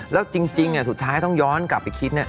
แล้วจริงสุดท้ายต้องย้อนกลับไปคิด